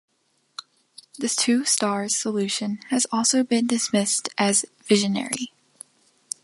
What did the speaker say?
The "Two Stars" solution has also been dismissed as visionary.